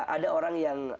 ada orang yang